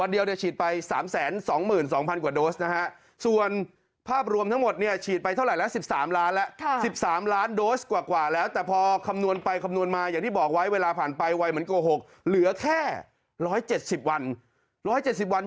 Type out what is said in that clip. เดือนนี้อ่ะนะ